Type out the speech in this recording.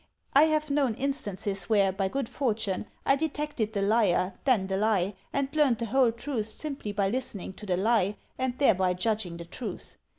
I have known instances where, by good fortune, I detected the liar then the lie, and learned the whole truth simply by listening to the lie, and thereby judging the truth.